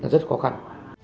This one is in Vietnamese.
rất khó khăn